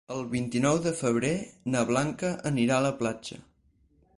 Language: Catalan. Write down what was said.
El vint-i-nou de febrer na Blanca anirà a la platja.